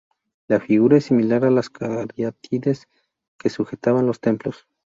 La figura es similar a las cariátides que sujetaban los templos.